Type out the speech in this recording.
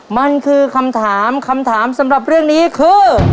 มันคือคำถามคำถามสำหรับเรื่องนี้คือ